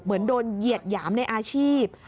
เหมือนโดนเหยียดหยามในอาชีพ